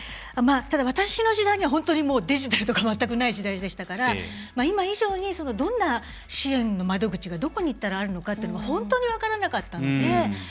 ただ、私の時代にはデジタルとか全くない時代でしたから今以上にどんな支援の窓口がどこにいったらあるのか本当に分からなかったので。